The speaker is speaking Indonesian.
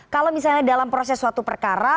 kalau misalnya dalam proses suatu perkara